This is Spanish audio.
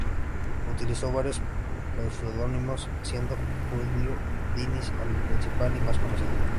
Utilizó varios pseudónimos, siendo Júlio Dinis el principal y más conocido.